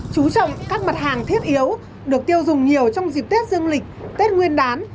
chú trọng các mặt hàng thiết yếu được tiêu dùng nhiều trong dịp tết dương lịch tết nguyên đán